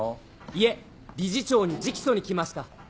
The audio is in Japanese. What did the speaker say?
いえ理事長に直訴に来ました。